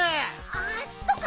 あそっか。